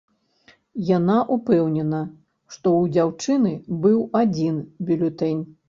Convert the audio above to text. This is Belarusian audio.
Яна ўпэўнена, што ў дзяўчыны быў адзін бюлетэнь.